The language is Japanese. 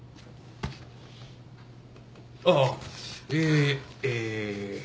ああえーえー。